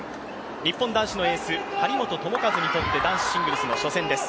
日本男子のエース張本智和にとって男子シングルスの初戦です。